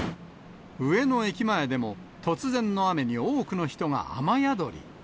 上野駅前でも、突然の雨に、多くの人が雨宿り。